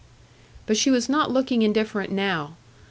But she was not looking indifferent now.